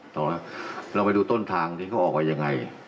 ตอนนั้นเราไปดูต้นทางนี้เขาออกไปยังไง